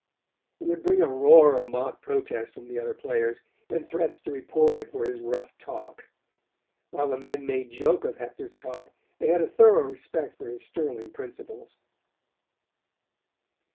It would bring a roar of mock protest from the other players, and threats to report him for his rough talk. While the men made joke of Hector's talk they had a thorough respect for his sterling principles.